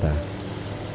dwi agung yudharto